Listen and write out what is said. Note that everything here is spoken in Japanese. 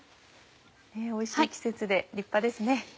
おいしい季節で立派ですね。